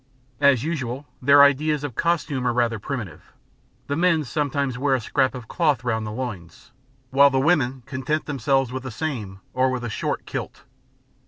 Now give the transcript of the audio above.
As usual, their ideas of costume are rather primitive; the men sometimes wear a scrap of cloth round the loins, while the women content themselves with the same or with a short kilt.